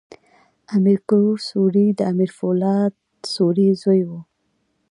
امیر کروړ سوري د امیر پولاد سوري زوی ؤ.